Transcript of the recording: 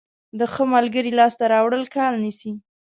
د ښه ملګري لاسته راوړل کال نیسي.